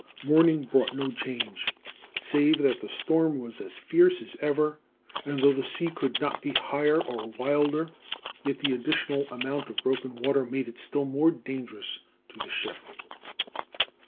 Morning brought no change, save that the storm was as fierce as ever, and though the sea could not be higher or wilder, yet the additional amount of broken water made it still more dangerous to the ship.